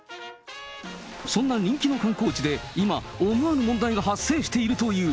そんな人気の観光地で今、思わぬ問題が発生しているという。